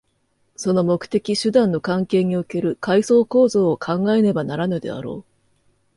その目的・手段の関係における階層構造を考えねばならぬであろう。